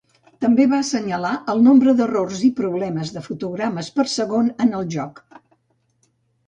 També va assenyalar el nombre d’errors i problemes de fotogrames per segon en el joc.